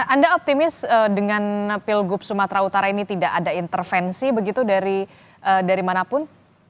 anda optimis dengan pilgub sumatera utara ini tidak ada intervensi begitu dari manapun